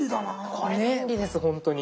これ便利ですほんとに。